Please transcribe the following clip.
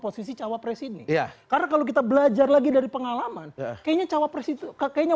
posisi cawapres ini karena kalau kita belajar lagi dari pengalaman kayaknya cawapres itu kayaknya